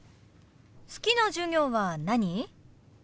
好きな授業は何？